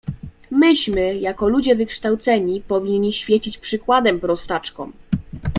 "Myśmy, jako ludzie wykształceni, powinni świecić przykładem prostaczkom."